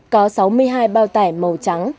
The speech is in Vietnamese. có sáu mươi hai bao tải màu trắng